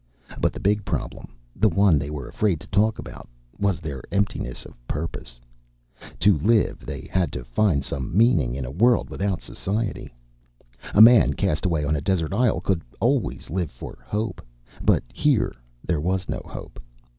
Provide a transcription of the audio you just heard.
But the big problem the one they were afraid to talk about was their emptiness of purpose. To live, they had to find some meaning in a world without society. A man cast away on a desert isle could always live for hope, but here there was no hope.